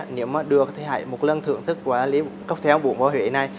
nếu mà được thì hãy một lần thưởng thức một ly cocktail bún bò huế này